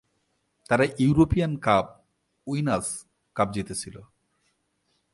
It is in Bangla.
তারা ইউরোপিয়ান কাপ উইনার্স কাপ জিতেছিল।